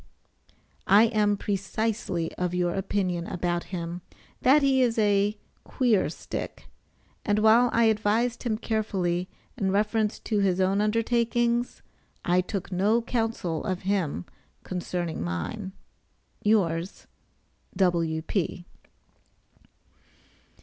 I am precisely of your opinion about him, that he is a "queer stick," and while I advised him carefully in reference to his own undertakings, I took no counsel of him concerning mine. Yours, W.P.